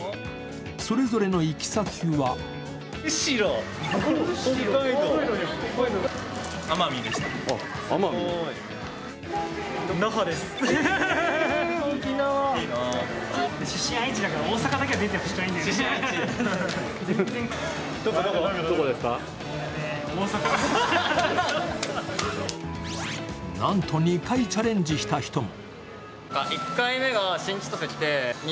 それぞれの行き先はなんと２回チャレンジした人も。